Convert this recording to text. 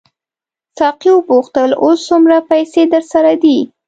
ساقي وپوښتل اوس څومره پیسې درسره دي.